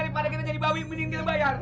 daripada kita jadi babi mending kita bayar